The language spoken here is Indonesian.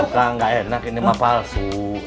kang nggak enak ini mak palsu